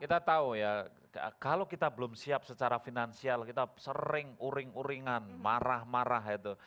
kita tahu ya kalau kita belum siap secara finansial kita sering uring uringan marah marah itu